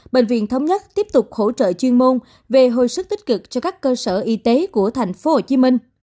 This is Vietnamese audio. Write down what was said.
bệnh viện thống nhất tiếp tục hỗ trợ chuyên môn về hồi sức tích cực cho các cơ sở y tế của thành phố hồ chí minh